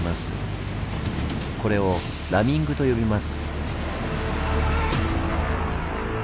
これを「ラミング」と呼びます。